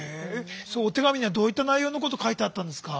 そのお手紙にはどういった内容のこと書いてあったんですか？